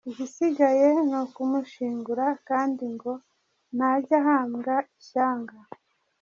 Igisigaye ni ukumushyingura, kandi ngo ntajya ahambwa i Shyanga.